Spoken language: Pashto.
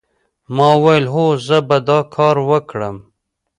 ما وویل هو زه به دا کار وکړم